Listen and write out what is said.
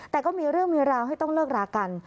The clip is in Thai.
แต่ก็มีเรื่องมีราวให้ต้องเลิกรากัน